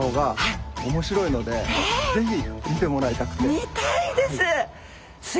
あの見たいです！